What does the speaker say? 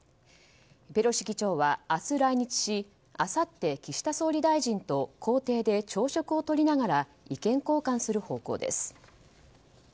ペロシ議長は明日、来日しあさって岸田総理大臣と公邸で朝食をとりながら意見交換する方向です。